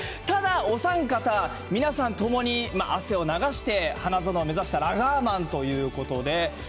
ただ、お三方、皆さんともに汗を流して花園を目指したラガーマンということで。